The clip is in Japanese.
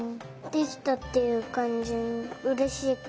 できたっていうかんじのうれしいかお。